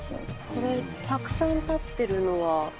これたくさん立ってるのは。